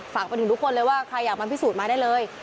ฝากไปถึงทุกคนเลยว่าใครอยากมาพิสูจน์มาได้เลย